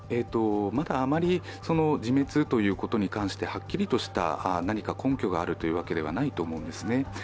まだあまり自滅ということに関してはっきりとした何か根拠があるわけではないと思うんですね。